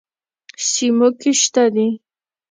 سیموکې شته دي.